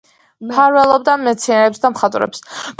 მფარველობდა მეცნიერებს და მხატვრებს.